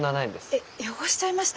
え汚しちゃいました！？